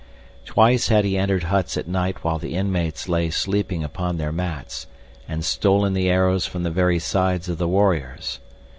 Twice had he entered huts at night while the inmates lay sleeping upon their mats, and stolen the arrows from the very sides of the warriors.